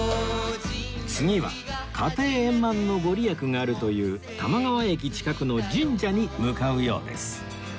次は家庭円満の御利益があるという多摩川駅近くの神社に向かうようです